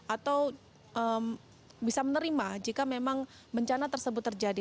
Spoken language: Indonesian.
atau bisa menerima jika memang bencana tersebut terjadi